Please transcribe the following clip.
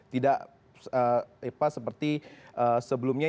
tidak seperti sebelumnya